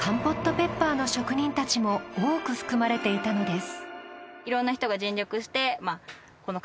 ペッパーの職人たちも多く含まれていたのです。